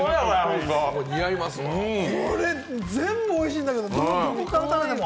これ全部おいしいんだけれども、どこから食べても。